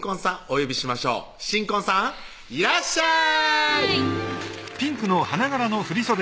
お呼びしましょう新婚さんいらっしゃい！